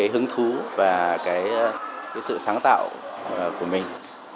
hứng thú và sự sáng tạo của mình